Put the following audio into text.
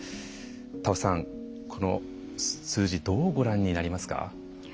田尾さん、この数字どうご覧になりますか？